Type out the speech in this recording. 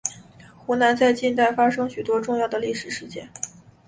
湖南在近代发生许多重要的历史事件。